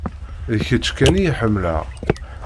D kečč kan i ḥemmleɣ.